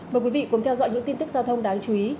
mời quý vị cùng theo dõi những tin tức giao thông đáng chú ý